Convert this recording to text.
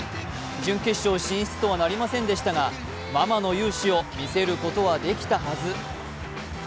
準決勝進出とはなりませんでしたが、ママの雄姿を見せることはできたはず。